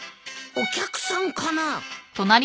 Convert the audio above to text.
お客さんかな。